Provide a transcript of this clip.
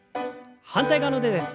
反対側の腕です。